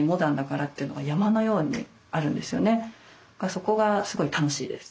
そこがすごい楽しいです。